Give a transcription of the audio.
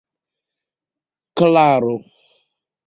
Klaro!